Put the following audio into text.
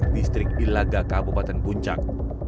distrik ilaga kabupaten puncak